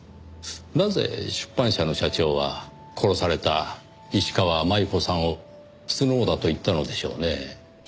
なぜ出版社の社長は殺された石川真悠子さんをスノウだと言ったのでしょうねぇ。